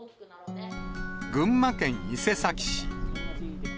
群馬県伊勢崎市。